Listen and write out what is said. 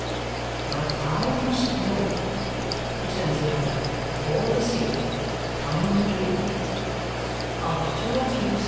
"But I must know," returns the other, "all the same. Come, Jo."